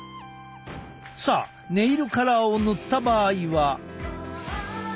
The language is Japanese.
さあネイルカラーを塗った場合は。